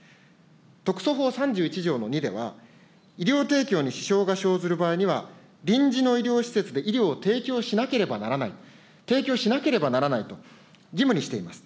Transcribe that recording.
特措法３１条の２では、医療提供に支障が生ずる場合には、臨時の医療施設で医療を提供しなければならない、提供しなければならないと、義務にしています。